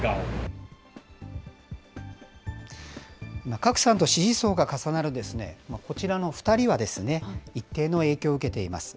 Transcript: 郭さんと支持層が重なるこちらの２人は、一定の影響を受けています。